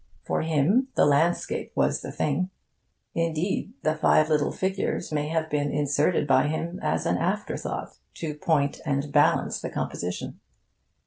For him the landscape was the thing. Indeed, the five little figures may have been inserted by him as an afterthought, to point and balance the composition.